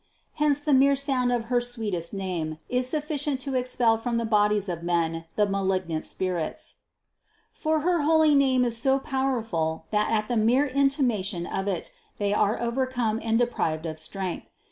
Hence the mere sound of her sweet est name is sufficient to expel from the bodies of men the malignant spirits. For her holy name is so powerful that at the mere intimation of it, they are overcome and de prived of strength.